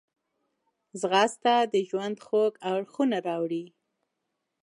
ځغاسته د ژوند خوږ اړخونه راوړي